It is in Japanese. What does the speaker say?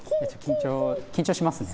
緊張しますね。